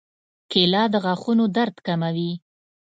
کېله د غاښونو درد کموي.